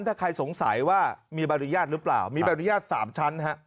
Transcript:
ถ้าใครสงสัยว่ามีบริญญาณหรือเปล่ามีบริญญาณ๓ชั้นนะครับ